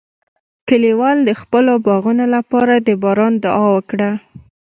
کلیوال د خپلو باغونو لپاره د باران دعا وکړه.